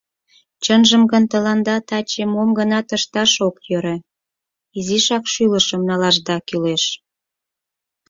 Чынжым гын, тыланда таче мом-гынат ышташ ок йӧрӧ: изишак шӱлышым налашда кӱлеш.